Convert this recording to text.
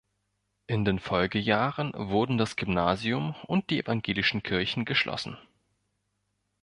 In den Folgejahren wurden das Gymnasium und die evangelischen Kirchen geschlossen.